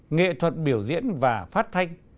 nghệ thuật biểu diễn và phát thanh